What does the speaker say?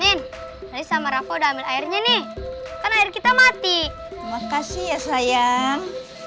hai nen nanti sama rafa udah ambil airnya nih kan air kita mati makasih ya sayang